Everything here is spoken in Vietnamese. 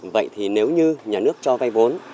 vậy thì nếu như nhà nước cho vay vốn